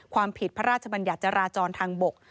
ความผิดพระราชบัญญัติจราจรทางบก